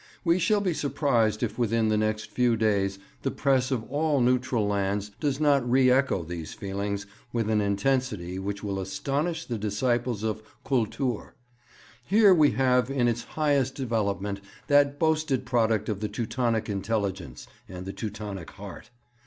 We shall be surprised if within the next few days the press of all neutral lands does not re echo these feelings with an intensity which will astonish the disciples of "Kultur." Here we have in its highest development that boasted product of the Teutonic intelligence and the Teutonic heart.